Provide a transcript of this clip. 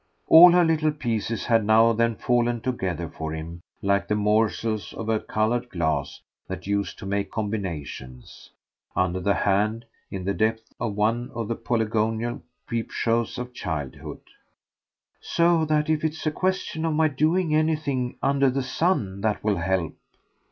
All her little pieces had now then fallen together for him like the morsels of coloured glass that used to make combinations, under the hand, in the depths of one of the polygonal peepshows of childhood. "So that if it's a question of my doing anything under the sun that will help